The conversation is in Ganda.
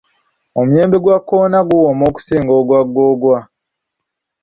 Omuyembe gwa kkoona guwooma okusinga ogwa googwa.